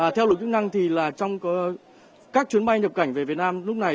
theo lực chức năng thì trong các chuyến bay nhập cảnh về việt nam lúc này